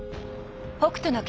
「北斗の拳」